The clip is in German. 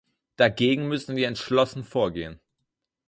Dagegen müssen wir entschlossen vorgehen.